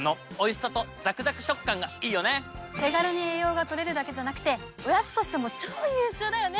手軽に栄養が取れるだけじゃなくておやつとしても超優秀だよね！